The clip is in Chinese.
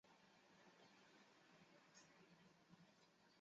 边缘设备是向企业或服务提供商核心网络提供入口点的设备。